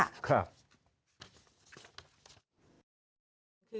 พัชธิการสิทธิ์